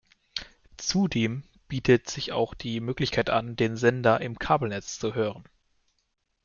Zudem bietet sich auch die Möglichkeit an, den Sender im Kabelnetz zu hören.